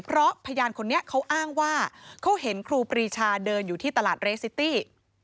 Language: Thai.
เพราะพยานคนนี้เขาอ้างว่าเขาเห็นครูปรีชาเดินอยู่ที่ตลาดเรซิตี้